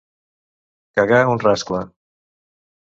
Cagar un rascle.